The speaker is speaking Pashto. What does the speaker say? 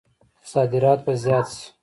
صادرات به زیات شي؟